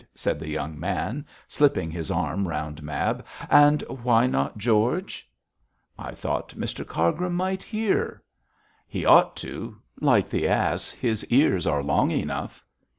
said the young man, slipping his arm round Mab; 'and why not George?' 'I thought Mr Cargrim might hear.' 'He ought to; like the ass, his ears are long enough.'